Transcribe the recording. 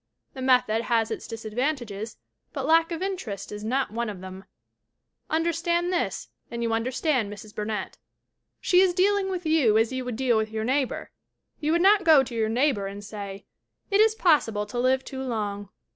The method has its disadvantages but lack of interest is not one of them ! Understand this and you understand Mrs. Burnett. She is dealing with you as you would deal with your neighbor. You would not go to your neighbor and say : "It is possible to live too long."